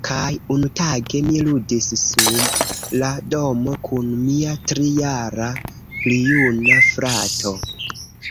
Kaj unutage, mi ludis sub la domo kun mia tri-jara-plijuna frato.